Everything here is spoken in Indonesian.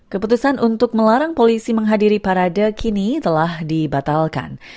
keputusan untuk melarang polisi menghadiri parade kini telah dibatalkan